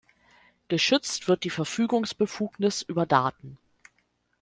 Geschützt wird die Verfügungsbefugnis über Daten.